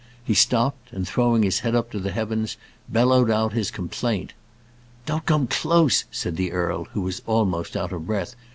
He stopped, and throwing his head up to the heavens, bellowed out his complaint. "Don't come close!" said the earl, who was almost out of breath.